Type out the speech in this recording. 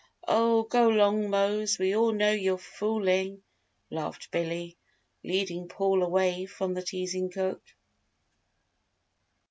"Oh, go 'long, Mose, we all know you're foolin'!" laughed Billy, leading Paul away from the teasing cook.